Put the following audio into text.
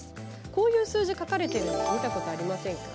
こういう数字が書かれているのを見たことありますか？